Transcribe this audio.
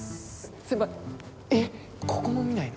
先輩えっここも見ないの？